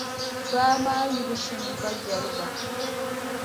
Baa maa yuli “Shinkadoliba.”.